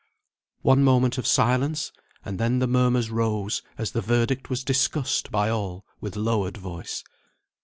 One moment of silence, and then the murmurs rose, as the verdict was discussed by all with lowered voice.